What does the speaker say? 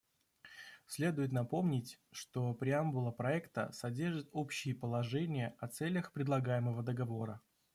Следует напомнить, что преамбула проекта содержит общие положения о целях предлагаемого договора.